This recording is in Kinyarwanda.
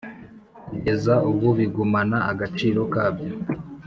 Kugeza ubu bigumana agaciro kabyo